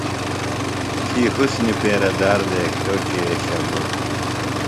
تھی حُسنی پیرہ دار دےۡ کھیوۡ کیۡ اے شمع۔